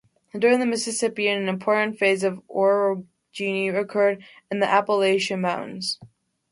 During the Mississippian an important phase of orogeny occurred in the Appalachian Mountains.